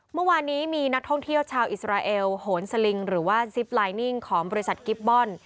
เมื่อวานนี้มีนักท่องเที่ยวชาวอิสราเอลโหนสลิงหรือว่าซิปไลน์นิ่งของบริษัทกิฟตบอล